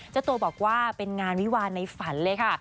เจ้าตัวบอกว่าเป็นงานวิวาลในฝันเลยค่ะ